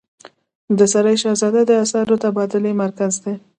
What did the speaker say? د سرای شهزاده د اسعارو تبادلې مرکز دی